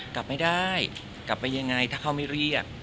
กลับไม่ได้กลับไปยังไงถ้าเขาไม่เรียก